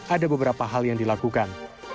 ada beberapa hal yang dilakukan